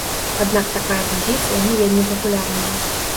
Аднак такая пазіцыя не вельмі папулярная.